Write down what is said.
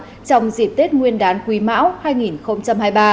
trong dịp tết nguyên đán quý mão hai nghìn hai mươi ba